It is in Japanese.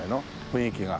雰囲気が。